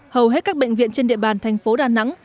hầu hết các bệnh viện trên địa bàn tp đà nẵng